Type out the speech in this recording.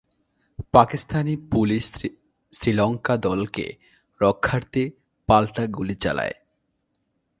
Pakistani police Sri Lanka দলকে রক্ষার্থে পাল্টা গুলি চালায়।